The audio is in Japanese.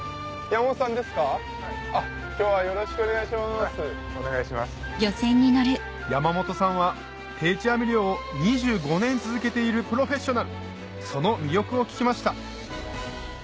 山本さんは定置網漁を２５年続けているプロフェッショナルその魅力を聞きました